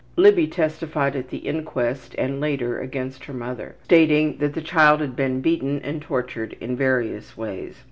Libby testified at the inquest and later against her mother, stating that the child had been beaten and tortured in various ways.